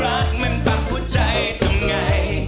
รักมันปักหัวใจทำไง